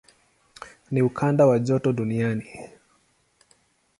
Ni ukanda wa joto duniani.